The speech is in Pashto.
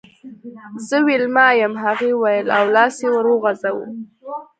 زه ویلما یم هغې وویل او لاس یې ور وغزاوه